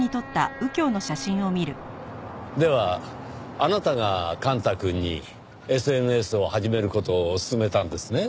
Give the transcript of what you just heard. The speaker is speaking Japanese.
あなたが幹太くんにＳＮＳを始める事を勧めたんですね？